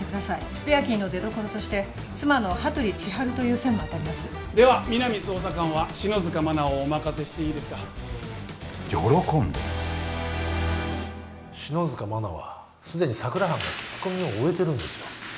スペアキーの出どころとして妻の羽鳥千晴という線も当たりますでは皆実捜査官は篠塚真菜をお任せしていいですか喜んで篠塚真菜はすでに佐久良班が聞き込みを終えてるんですよ